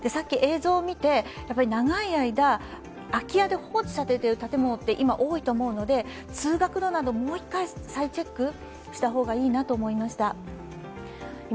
映像を見て、長い間空き家で放置されている建物って今、多いと思うので、通学路など再チェックした方がいいと思いました。